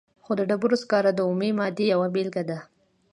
خو د ډبرو سکاره د اومې مادې یوه بیلګه ده.